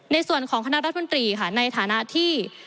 ในส่วนของคณะรัฐมนตรีค่ะในฐานะที่